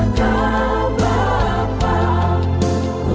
aku rindu selalu menyenangkanku